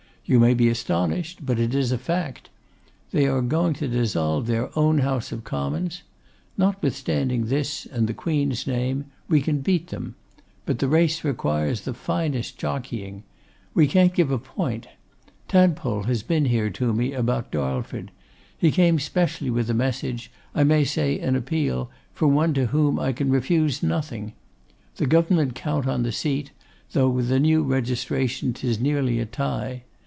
You may be astonished, but it is a fact. They are going to dissolve their own House of Commons. Notwithstanding this and the Queen's name, we can beat them; but the race requires the finest jockeying. We can't give a point. Tadpole has been here to me about Darlford; he came specially with a message, I may say an appeal, from one to whom I can refuse nothing; the Government count on the seat, though with the new Registration 'tis nearly a tie.